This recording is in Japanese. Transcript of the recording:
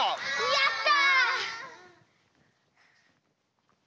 やった！